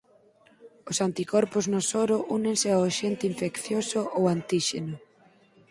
Os anticorpos no soro únense ao axente infeccioso ou antíxeno.